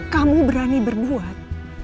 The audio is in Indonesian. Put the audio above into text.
kamu berani berbuat